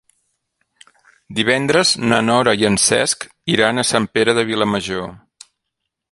Divendres na Nora i en Cesc iran a Sant Pere de Vilamajor.